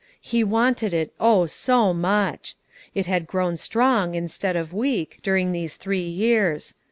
He wanted it, oh, so much! it had grown strong, instead of weak, during these three years.